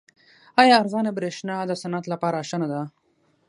آیا ارزانه بریښنا د صنعت لپاره ښه نه ده؟